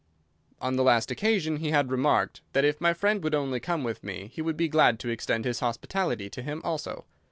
On the last occasion he had remarked that if my friend would only come with me he would be glad to extend his hospitality to him also.